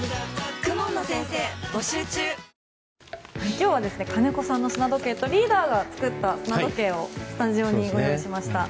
今日は金子さんの砂時計とリーダーが作った砂時計をスタジオにご用意しました。